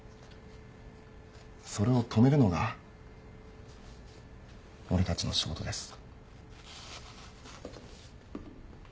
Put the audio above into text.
それを止めるのが俺たちの仕事です。